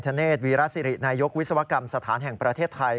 เนธวีรสิรินายกวิศวกรรมสถานแห่งประเทศไทย